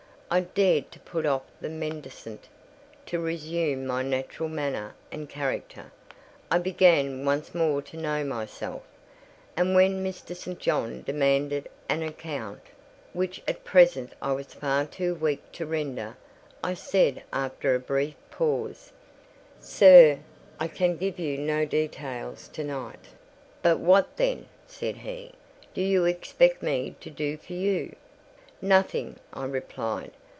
I dared to put off the mendicant—to resume my natural manner and character. I began once more to know myself; and when Mr. St. John demanded an account—which at present I was far too weak to render—I said after a brief pause— "Sir, I can give you no details to night." "But what, then," said he, "do you expect me to do for you?" "Nothing," I replied.